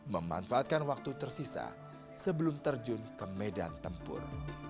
memanfaatkan waktu tersisa sebelum terjun ke medan tempur